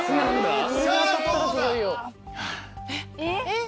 えっ！